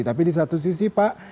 tapi di satu sisi pak